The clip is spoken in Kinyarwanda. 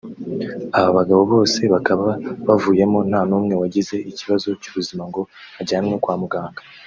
Aba bagabo bose bakaba bavuyemo nta numwe wagize ikibazo cy’ubuzima ngo ajyanwe kwa Muganga